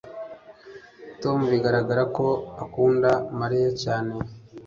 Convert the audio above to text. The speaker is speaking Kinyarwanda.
Tom bigaragara ko akunda Mariya cyane